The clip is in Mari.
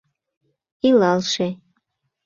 Илалше.